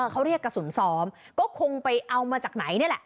เขาเรียกกระสุนซ้อมก็คงไปเอามาจากไหนนี่แหละ